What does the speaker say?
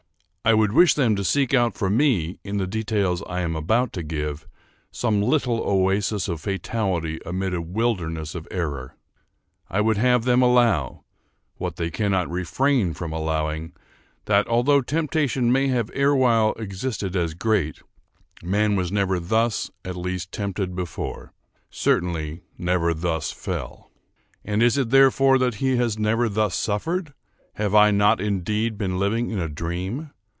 I would wish them to seek out for me, in the details I am about to give, some little oasis of fatality amid a wilderness of error. I would have them allow—what they cannot refrain from allowing—that, although temptation may have erewhile existed as great, man was never thus, at least, tempted before—certainly, never thus fell. And is it therefore that he has never thus suffered? Have I not indeed been living in a dream?